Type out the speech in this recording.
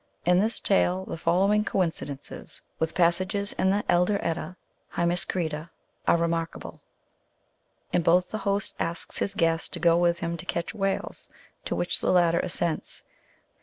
In this tale the following coincidences with passages in the Elder Edda (Hymiskvida) are remarkable. In both the host asks his guest to go with him to catch whales, to which the latter assents.